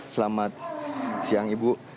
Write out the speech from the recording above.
selamat siang ibu